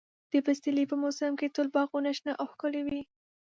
د پسرلي په موسم کې ټول باغونه شنه او ښکلي وي.